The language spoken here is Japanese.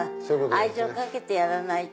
愛情かけてやらないと。